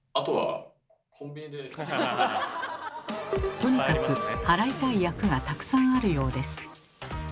とにかく払いたい厄がたくさんあるようです。